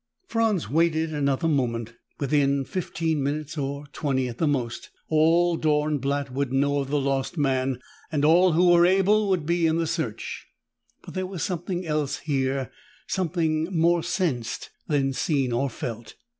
Franz waited another moment. Within fifteen minutes, or twenty at the most, all Dornblatt would know of the lost man and all who were able would be in the search. But there was something else here, something more sensed than seen or felt.